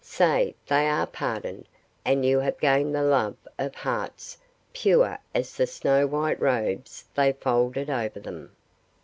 Say they are pardoned, and you have gained the love of hearts pure as the snow white robes now folded over them."